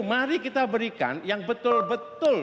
mari kita berikan yang betul betul